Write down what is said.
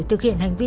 thực hiện hành vi